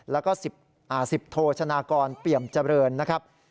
แล้วก็๑๐โทชนากรเปี่ยมเจริญนะครับ